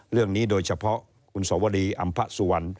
เรื่องนี้โดยเฉพาะคุณสวรีอำพสุวรรณ